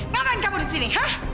ngapain kamu di sini ha